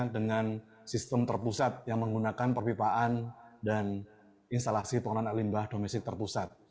dengan sistem terpusat yang menggunakan perpipaan dan instalasi pengelolaan limbah domestik terpusat